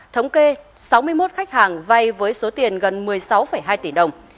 thống kê sáu mươi một khách hàng vay với số tiền gần một mươi sáu hai tỷ đồng